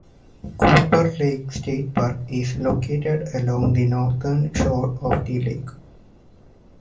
Cooper Lake State Park is located along the northern shore of the lake.